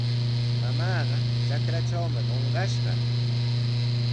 Mamaaqa trakratrawmi qunqashqa.